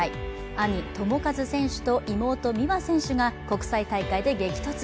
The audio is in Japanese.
兄・智和選手と妹・美和選手が国際大会で激突。